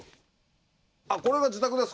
あっこれが自宅ですか。